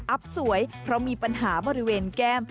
สวยเพราะมีปัญหาบริเวณแก้ม